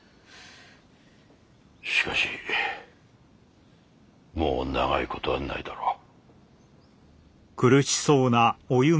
しかしもう長いことはないだろう。